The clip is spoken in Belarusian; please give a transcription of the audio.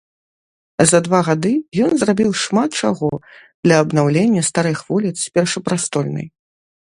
За два гады ён зрабіў шмат чаго для абнаўлення старых вуліц першапрастольнай.